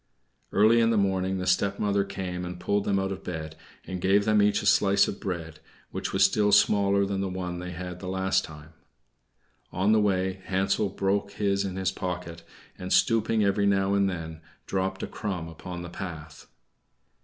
Early in the morning the stepmother came and pulled them out of bed, and gave them each a slice of bread, which was still smaller than the one they had last time. On the way Hansel broke his in his pocket, and, stooping every now and then, dropped a crumb upon the path.